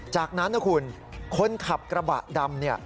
จากนั้นคนขับกระบะดำ